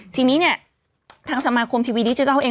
ทีนี้เนี่ยทางสมาคมทีวีดิจิทัลเอง